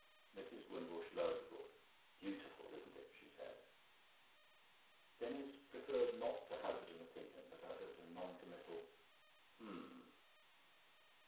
'" Mrs. Wimbush lowered the book. "Beautiful, isn't it?" she said. Denis preferred not to hazard an opinion, but uttered a non committal "H'm."